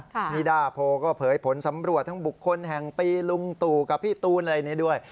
นิดาโพก็เผยผลสำรวจทั้งบุคคลแห่งปีลุงตู่กับพี่ตูนอะไรนี้ด้วย